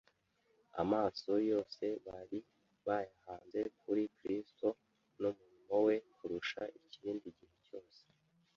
Amaso yose bari bayahanze kuri Kristo n'umurimo we kurusha ikindi gihe cyose